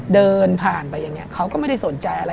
เดินผ่านไปอย่างนี้เขาก็ไม่ได้สนใจอะไร